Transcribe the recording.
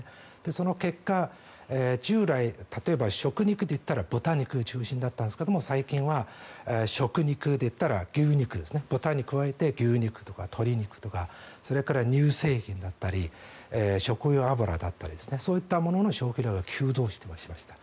その結果、従来例えば、食肉でいったら豚肉中心だったんですが最近は食肉といったら牛肉ですね豚に加えて牛肉とか鶏肉とかそれから乳製品だったり食用油だったりそういったものの消費量が急増しました。